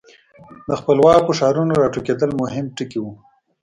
د خپلواکو ښارونو را ټوکېدل مهم ټکي وو.